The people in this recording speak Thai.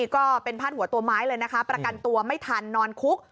ก็เป็นพาดหัวตัวไม้เลยนะคะประกันตัวไม่ทันนอนคุก